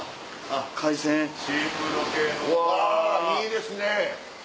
あぁいいですね。